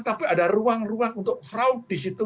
tapi ada ruang ruang untuk fraud di situ